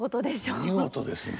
見事ですね。